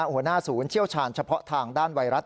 หัวหน้าศูนย์เชี่ยวชาญเฉพาะทางด้านไวรัส